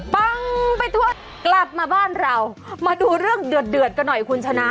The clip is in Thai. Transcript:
ปังไปทั่วกลับมาบ้านเรามาดูเรื่องเดือดกันหน่อยคุณชนะ